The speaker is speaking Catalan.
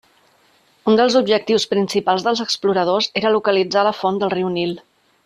Un dels objectius principals dels exploradors era localitzar la font del riu Nil.